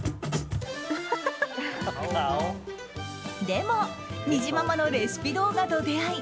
でも、にじままのレシピ動画と出会い